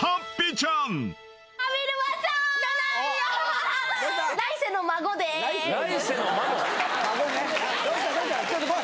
ちょっと来い。